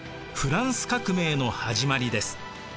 フランス革命の始まりです。